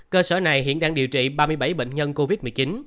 cơ sở này hiện đang điều trị ba mươi bảy bệnh nhân covid một mươi chín